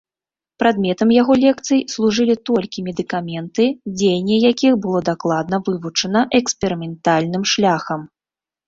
Прадметам яго лекцый служылі толькі медыкаменты, дзеянне якіх было дакладна вывучана эксперыментальным шляхам.